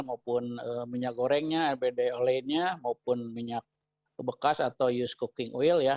maupun minyak gorengnya rbd olainya maupun minyak bekas atau used cooking oil ya